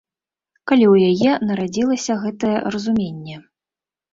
Калі ў яе нарадзілася гэтае разуменне?